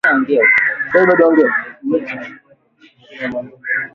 Kiongozi aliyeheshimu maneno na ahadi zake katika mikutano kadhaa ambayo imefanyika